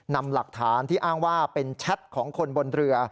นำหลักฐานที่อ้างว่าเป็นแชทของคนบนเรือ